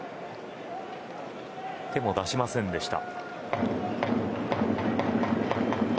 手も出しませんでした。